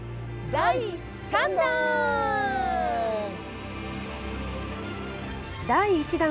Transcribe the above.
第３弾。